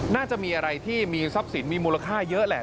น่าจะมีอะไรที่มีทรัพย์สินมีมูลค่าเยอะแหละ